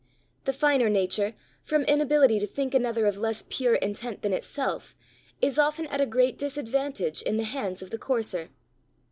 The finer nature, from inability to think another of less pure intent than itself, is often at a great disadvantage in the hands of the coarser.